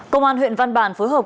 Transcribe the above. công an huyện văn bản phối hợp